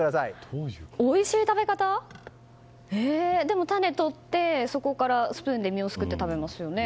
でも、種とって、そこからスプーンで身をすくって食べますよね。